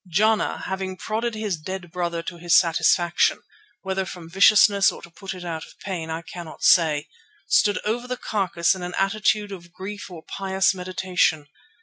Jana, having prodded his dead brother to his satisfaction, whether from viciousness or to put it out of pain, I cannot say, stood over the carcass in an attitude of grief or pious meditation.